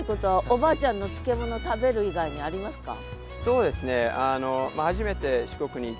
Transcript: おばあちゃんの漬物食べる以外にありますか？